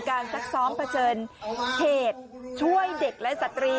ซักซ้อมเผชิญเหตุช่วยเด็กและสตรี